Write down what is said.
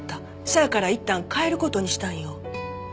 せやからいったん帰る事にしたんよ。